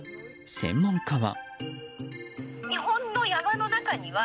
専門家は。